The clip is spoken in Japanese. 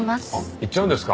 行っちゃうんですか？